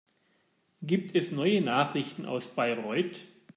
Gibt es neue Nachrichten aus Bayreuth?